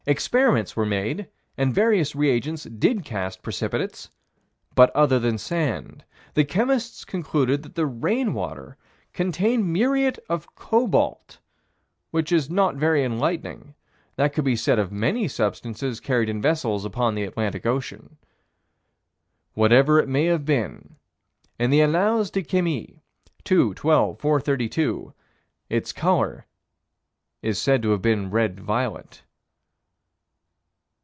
Experiments were made, and various reagents did cast precipitates, but other than sand. The chemists concluded that the rain water contained muriate of cobalt which is not very enlightening: that could be said of many substances carried in vessels upon the Atlantic Ocean. Whatever it may have been, in the Annales de Chimie, 2 12 432, its color is said to have been red violet.